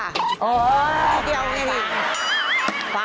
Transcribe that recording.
โอ๊ยเน็ตเดียวอย่างนี้